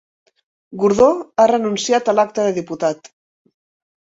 Gordó ha renunciat a l'acta de diputat